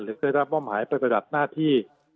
หรือเคยรับบ้อนหายไปปริบัติหน้าที่